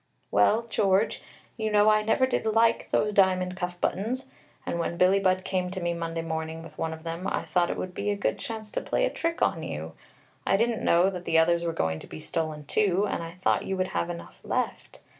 "Well, George, you know I never did like those diamond cuff buttons, and when Billie Budd came to me Monday morning with one of them, I thought it would be a good chance to play a trick on you. I didn't know that the others were going to be stolen too, and I thought you would have enough left.